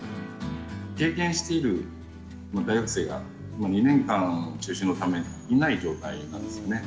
経験している大学生がもう２年間中止のため、いない状態なんですよね。